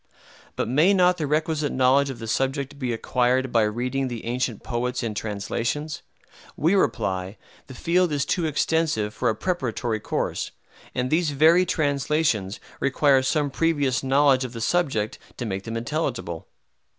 But may not the requisite knowledge of the subject be acquired by reading the ancient poets in translations? We reply, the field is too extensive for a preparatory course; and these very translations require some previous knowledge of the subject to make them intelligible.